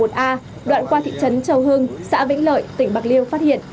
đoạn qua thị trấn châu hưng xã vĩnh lợi tỉnh bạc liêu phát hiện